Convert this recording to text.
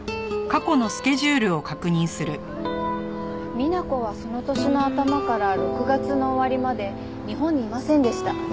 みな子はその年の頭から６月の終わりまで日本にいませんでした。